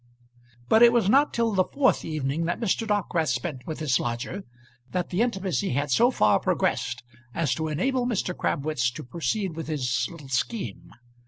But it was not till the fourth evening that Mr. Dockwrath spent with his lodger that the intimacy had so far progressed as to enable Mr. Crabwitz to proceed with his little scheme.